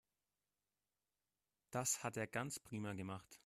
Das hat er ganz prima gemacht.